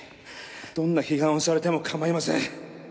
どんな批判をされても構いません